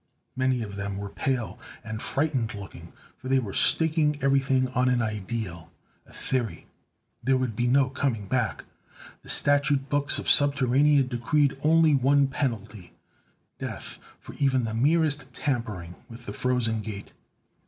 Many of them were pale and frightened looking, for they were staking everything on an ideal, a theory. There would be no coming back. The statute books of Subterranea decreed only one penalty death for even the merest tampering with the Frozen Gate.